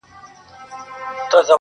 رنځ یې تللی له هډونو تر رګونو.